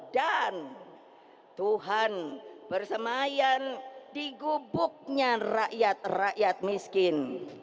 dan tuhan bersemaian di gubuknya rakyat rakyat miskin